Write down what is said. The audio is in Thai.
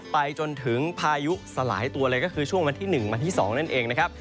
ไปจนถึงพายุสลายตัวเลยก็คือช่วงวันที่๑วันที่๒นั่นเองนะครับ